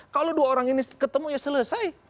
kalau dua orang ini ketemu ya selesai